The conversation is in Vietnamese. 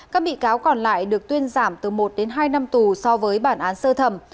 các bị cáo còn lại được tuyên giảm từ một đến hai năm tù so với bản án sơ thẩm